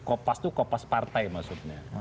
kopas itu kopas partai maksudnya